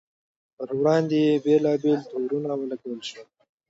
پر وړاندې یې بېلابېل تورونه ولګول شول.